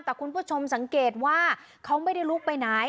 แต่คุณผู้ชมสังเกตว่าเขาไม่ได้ลุกไปไหน